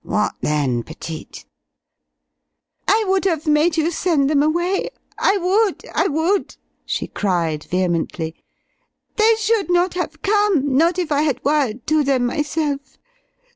"What then, p'tite?" "I would have made you send them away I would! I would!" she cried, vehemently. "They should not have come not if I had wired to them myself!